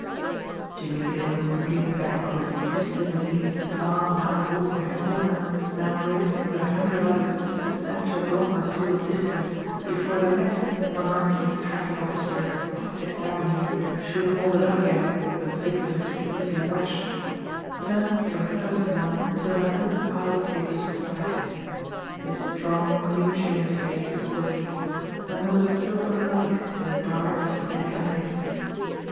Jimmie Dale, leaning back on the seat of his limousine as the car, now halting at a corner, now racing with a hundred others to snatch a block or two of distance before the next monarchial traffic officer of Fifth Avenue should hold it up again a victim to the evening rush, turned from first one to another of the pile of papers beside him. His strong, clean shaven face was grave; and there was a sober light in the dark, steady eyes.